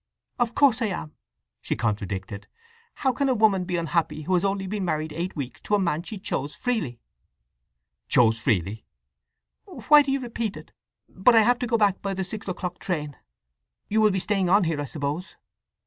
"Of course I am!" she contradicted. "How can a woman be unhappy who has only been married eight weeks to a man she chose freely?" "'Chose freely!'" "Why do you repeat it? … But I have to go back by the six o'clock train. You will be staying on here, I suppose?"